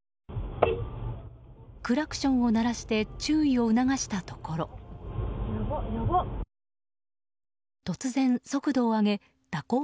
クラクションを鳴らして注意を促したところ突然、速度を上げ蛇行